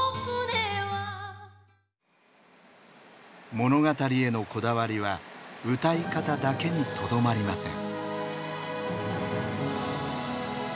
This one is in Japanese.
物語へのこだわりは歌い方だけにとどまりません。